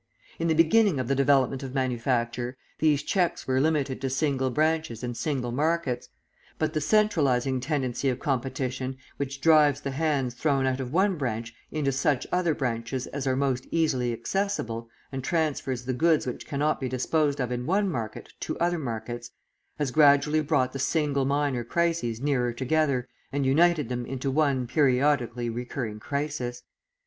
In the beginning of the development of manufacture, these checks were limited to single branches and single markets; but the centralising tendency of competition which drives the hands thrown out of one branch into such other branches as are most easily accessible, and transfers the goods which cannot be disposed of in one market to other markets, has gradually brought the single minor crises nearer together and united them into one periodically recurring crisis.